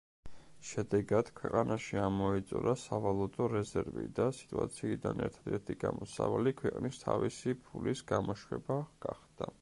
შედეგად, ქვეყანაში ამოიწურა სავალუტო რეზერვი და სიტუაციიდან ერთადერთი გამოსავალი ქვეყნის თავისი ფულის გამოშვება გახდა.